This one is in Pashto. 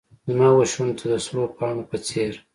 زما وشونډو ته د سرو پاڼو په څیر